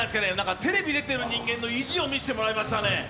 テレビ出てる人間の意地を見せてもらいましたね。